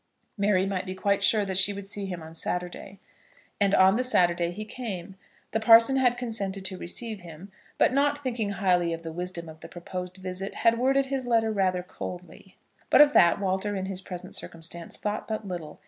Mary might be quite sure that she would see him on Saturday. And on the Saturday he came. The parson had consented to receive him; but, not thinking highly of the wisdom of the proposed visit, had worded his letter rather coldly. But of that Walter in his present circumstances thought but little.